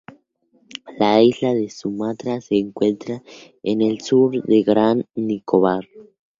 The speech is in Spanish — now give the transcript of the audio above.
La isla de Sumatra se encuentra en el sur de Gran Nicobar.